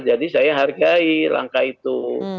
jadi saya hargai langkah itu